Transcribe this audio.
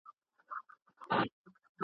هغه چي تل به وېرېدلو ځیني ..